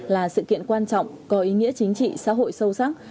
là sự kiện quan trọng có ý nghĩa chính trị xã hội sâu sắc